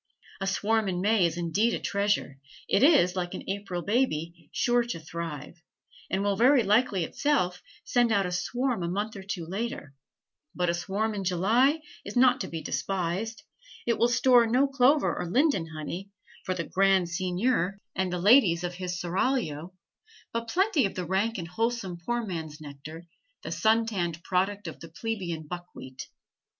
A swarm in May is indeed a treasure; it is, like an April baby, sure to thrive, and will very likely itself send out a swarm a month or two later; but a swarm in July is not to be despised; it will store no clover or linden honey for the "grand seignior and the ladies of his seraglio," but plenty of the rank and wholesome poor man's nectar, the sun tanned product of the plebeian buckwheat.